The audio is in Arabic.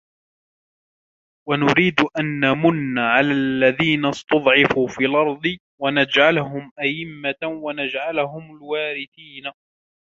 ونريد أن نمن على الذين استضعفوا في الأرض ونجعلهم أئمة ونجعلهم الوارثين